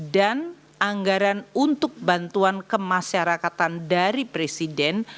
dan anggaran untuk bantuan kemasyarakatan dari presiden